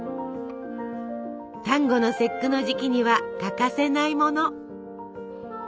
端午の節句の時期には欠かせないもの。